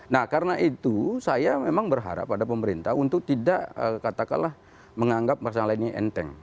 nah karena itu saya memang berharap pada pemerintah untuk tidak katakanlah menganggap masalah ini enteng